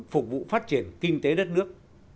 phục vụ phát triển kinh tế đất nước